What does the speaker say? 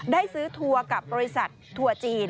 ได้ซื้อทัวร์กับบริษัททัวร์จีน